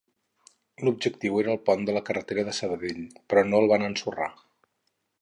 L'objectiu era el pont de la carretera de Sabadell però no el van ensorrar.